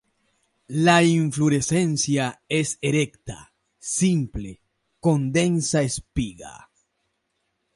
La inflorescencia es erecta, simple, con densa espiga.